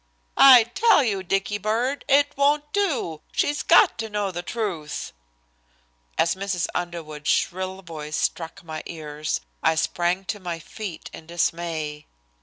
"I tell you, Dicky bird, it won't do. She's got to know the truth." As Mrs. Underwood's shrill voice struck my ears, I sprang to my feet in dismay.